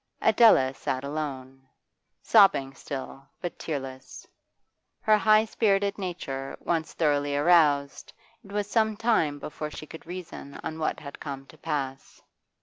Adela sat alone, sobbing still, but tearless. Her high spirited nature once thoroughly aroused, it was some time before she could reason on what had come to pass.